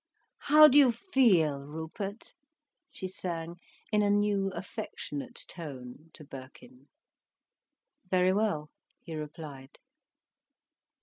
"How do you feel, Rupert?" she sang in a new, affectionate tone, to Birkin. "Very well," he replied.